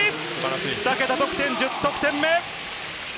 ２桁得点、１０得点目！